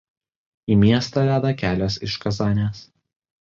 Į miestą veda kelias iš Kazanės.